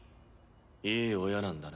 いい親なんだな。